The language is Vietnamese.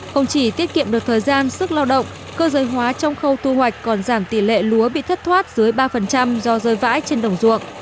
không chỉ tiết kiệm được thời gian sức lao động cơ giới hóa trong khâu thu hoạch còn giảm tỷ lệ lúa bị thất thoát dưới ba do rơi vãi trên đồng ruộng